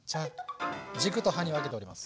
軸と葉に分けております。